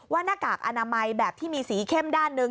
หน้ากากอนามัยแบบที่มีสีเข้มด้านหนึ่ง